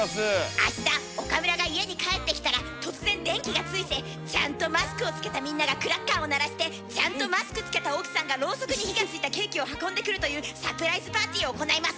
明日岡村が家に帰ってきたら突然電気がついてちゃんとマスクをつけたみんながクラッカーを鳴らしてちゃんとマスクつけた奥さんがろうそくに火がついたケーキを運んでくるというサプライズパーティーを行います。